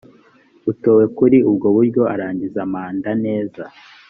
utowe kuri ubwo buryo arangiza manda neza.